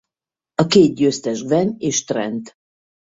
A két győztes Gwen és Trent.